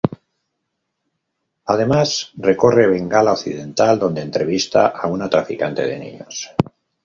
Además recorre Bengala Occidental, donde entrevista a una traficante de niños.